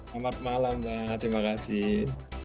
selamat malam mbak terima kasih